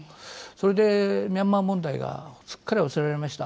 それでミャンマー問題がすっかり忘れられました。